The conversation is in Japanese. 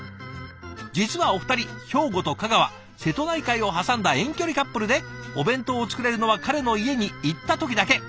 実はお二人兵庫と香川瀬戸内海を挟んだ遠距離カップルでお弁当を作れるのは彼の家に行った時だけ。